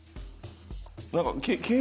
何か。